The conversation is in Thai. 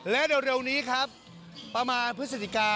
และหลังนี้ครับประมาณพฤษฎิกา